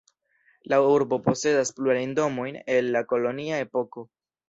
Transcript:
La urbo posedas plurajn domojn el la kolonia epoko.